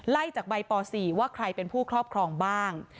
จากใบป๔ว่าใครเป็นผู้ครอบครองบ้าง